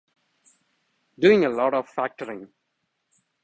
Doing a lot of factoring.